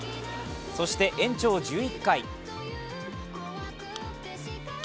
そして延長１１回。